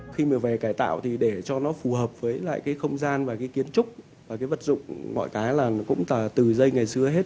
khi mà về cải tạo thì để cho nó phù hợp với lại cái không gian và cái kiến trúc và cái vật dụng mọi cái là nó cũng từ dây ngày xưa hết